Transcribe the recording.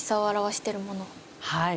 はい。